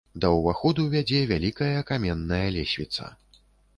Да ўваходу вядзе вялікая каменная лесвіца.